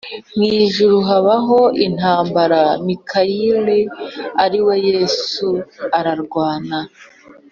mu ijuru habaho intambara Mikayeli ari we Yesu ararwana